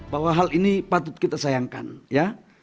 bahwa hal ini patut kita sayangkan ya